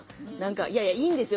いやいやいいんですよ。